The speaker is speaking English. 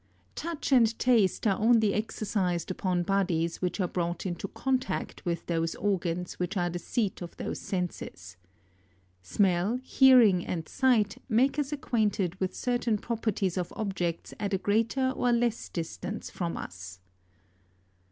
5. Touch and taste are pnly exercised upon bodies which are brought into contact with those organs which are the scat 61 those senses. Smell, hearing, and sight, make us acquainted with certain properties of objects at a greater or less distance from us.